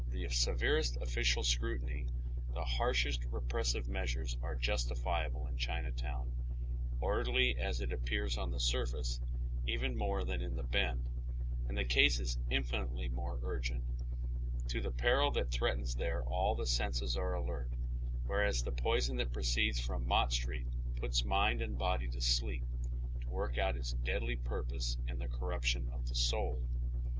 The severest official scru tiny, the harshest repressive measures are justifiable in Cliinatown, orderly as it appears on the surface, even more than in the Bend, and the case is infinitely more urgent. To the peri! that threatens there all the senses are alert, whereas the poison that proceeds from Hott Street puts mind and body to sleep, to work out its deadly purpose in the corruption of tlie soul.